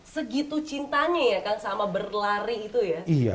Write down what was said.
segitu cintanya ya kan sama berlari itu ya